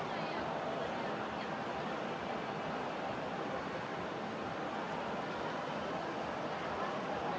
สวัสดีครับ